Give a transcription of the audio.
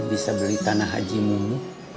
bisa beli tanah haji mulu